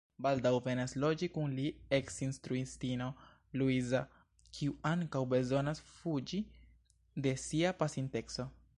Baldaŭ venas loĝi kun li eksinstruistino Luiza, kiu ankaŭ bezonas fuĝi de sia pasinteco.